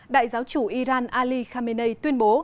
đại giáo chủ iran ali khamenei tuyên bố